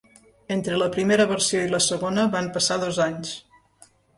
Entre la primera versió i la segona van passar dos anys.